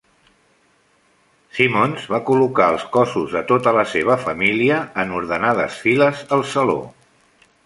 Simmons va col·locar els cossos de tota la seva família en ordenades files al saló.